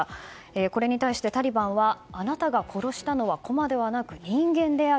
これに対してタリバンはあなたが殺したのは駒ではなく人間である。